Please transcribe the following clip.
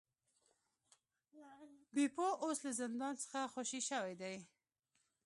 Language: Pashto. بیپو اوس له زندان څخه خوشې شوی دی.